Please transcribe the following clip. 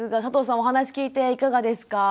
お話聞いていかがですか？